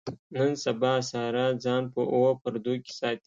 نن سبا ساره ځان په اوو پردو کې ساتي.